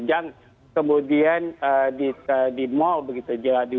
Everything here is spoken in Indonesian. jangan kemudian di mall begitu